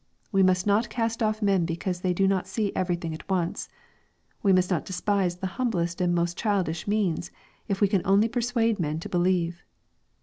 We must not cast off men because they do not see everything at once. We must not despise the humblest and most childish means, if we can only persuade men to believe.